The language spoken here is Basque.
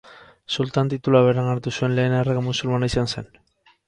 Sultan titulua bereganatu zuen lehen errege musulmana izan zen.